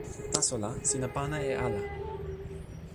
taso la, sina pana e ala.